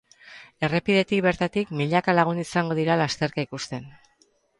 Errepidetik bertatik milaka lagun izango dira lasterketa ikusten.